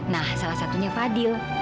nah salah satunya fadil